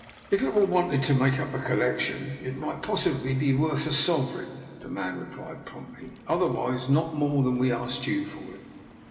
" If it were wanted to make up a collec tion it might possibly be worth a sovereign," the man replied promptly. " Otherwise not more than we asked you for it."